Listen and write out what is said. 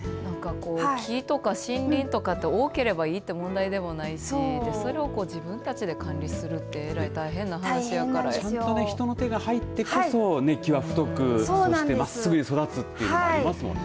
木とか森林とかって多ければいいという問題でもないしそれを自分たちで管理するって人の手が入ってこそ根が太く、まっすぐに育つっていうのもありますもんね。